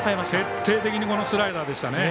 徹底的にスライダーでした。